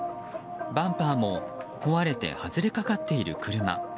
バンパーも壊れて外れかかっている車。